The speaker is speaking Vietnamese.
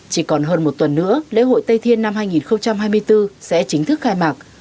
chỉ còn hơn một tuần nữa lễ hội tây thiên năm hai nghìn hai mươi bốn sẽ chính thức khai mạc